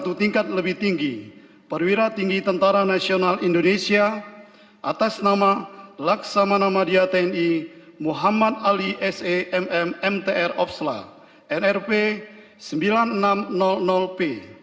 kesatu tingkat lebih tinggi perwira tinggi tentara nasional indonesia atas nama laksamanama dia tni muhammad ali s e m m m t r opsla nrp sembilan ribu enam ratus p